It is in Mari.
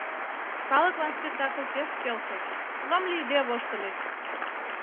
Калыклан спектакль пеш келшыш, лым лийде воштыльыч.